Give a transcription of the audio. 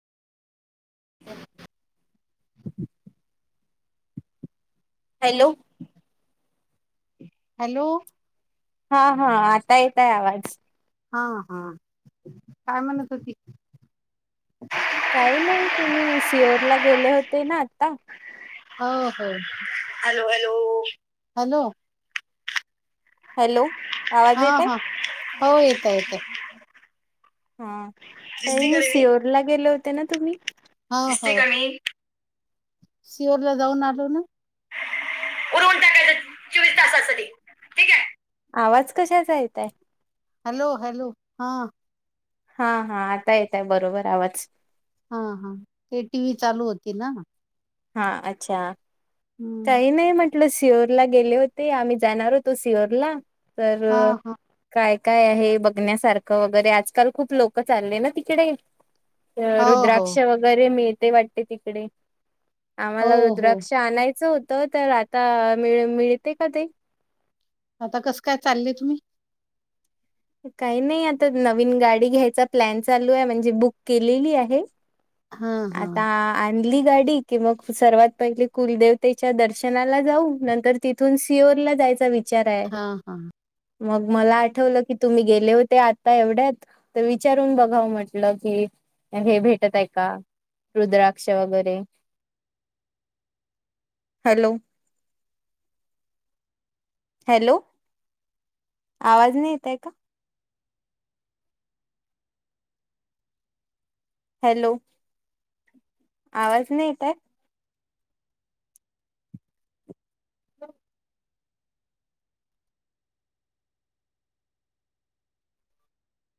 [inaudible] Hello, hello. हा हा आता येतय आवाज. हा हा. काय म्हणत होती? काही नाही. तुम्ही शिहुरला गेले होते ना आता. हो हो. Hello hello. हॅलो, हॅलो, आवाज हा येतय हा. हो येतं येतं. हं. काही नाही सिओरला गेले होते ना तुम्ही? ह हो. शिवुरला जाऊन आलो ना. [inaudible] आहे आवाज कशाचा येतय? Hello hello. हं. हा हा. आता येतय बरोबर आवाज. हं हं. ते टी व्ही चालू होती ना. हा अच्छा! हम्म काही नाही म्हट ल सिहोरला गेले होते, आम्ही जाणार होतो सिहोरला. तर हा हा काय काय आहे बघण्यासारखं वगैरे? आजकाल खूप लोक चालले ना तिकडे. हो हो रुद्राक्ष वगैरे मिळते वाटत तिकडे. हो आम्हाला हो रुद्राक्ष आणायचं होतं. तर आता मिळ मिळते का ते? आता कसं काय चालले तुम्ही? काही नाही आता नवीन गाडी घ्यायचा प्लॅन चालू आहे. म्हणजे बुक केलेली आहे. हा हा आता आणली गाडी कि मग सर्वात पहिले कुलदेवतेच्या दर्शनाला जाऊ. नंतर तिथून सिओरला जायचा विचार आहे. हा हा मग मला आठवलं की तुम्ही गेले होते. आता एवढ्यात तर विचारून बघाव म्हटलं की हे भेटत आहे का? रुद्राक्ष वगरे. हॅलो, हॅलो, आवाज नाही येतय का? हॅलो, आवाज नाही येत आहे?